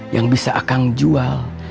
yang bisa akang jual